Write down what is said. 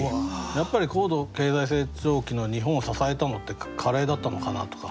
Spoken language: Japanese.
やっぱり高度経済成長期の日本を支えたのってカレーだったのかなとか。